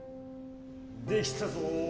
できたぞ